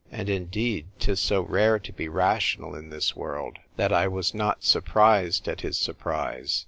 And, indeed, 'tis so rare to be rational in this world that I was not surprised at his surprise.